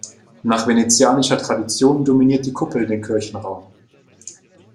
Nach venezianischer Tradition dominiert die Kuppel den Kirchenraum.